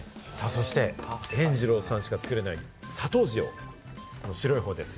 そして塩二郎さんしか作れない砂糖塩、白い方です。